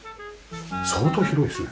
相当広いですね。